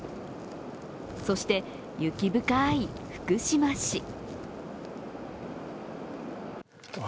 そして、雪深い福島市。